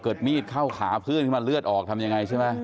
คลินทุบเบาเลยกัน